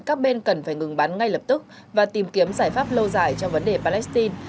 các bên cần phải ngừng bắn ngay lập tức và tìm kiếm giải pháp lâu dài cho vấn đề palestine